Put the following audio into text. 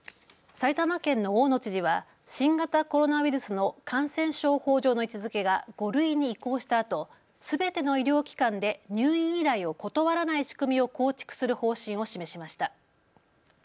埼玉県の大野知事は新型コロナウイルスの感染症法上の位置づけが５類に移行したあと、すべての医療機関で入院依頼を断らない仕組みを構築する方針を示しました。